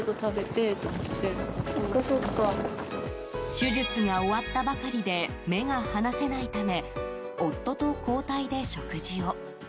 手術が終わったばかりで目が離せないため夫と交代で食事を。